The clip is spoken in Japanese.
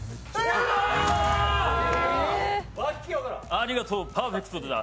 ありがとう、パーフェクトだ。